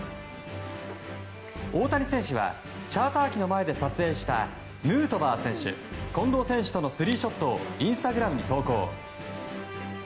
大谷選手はチャーター機の前で撮影したヌートバー選手、近藤選手とのスリーショットをインスタグラムに投稿。